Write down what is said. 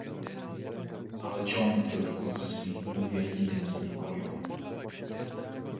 Ale Čong byl do konce svých dnů věrný dynastii Korjo.